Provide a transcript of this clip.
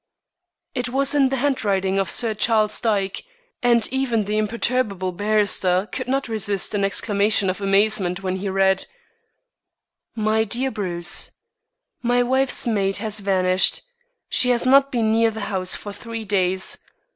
It was in the handwriting of Sir Charles Dyke, and even the imperturbable barrister could not resist an exclamation of amazement when he read: "MY DEAR BRUCE, My wife's maid has vanished. She has not been near the house for three days.